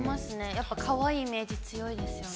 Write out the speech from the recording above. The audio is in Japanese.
やっぱかわいいイメージ強いですよね。